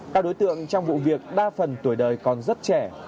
các đối tượng trong vụ việc đa phần tuổi đời còn rất trẻ